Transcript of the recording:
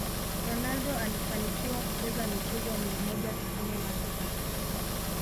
Ronaldo alifanikiwa kucheza michezo mia moja tisini na sita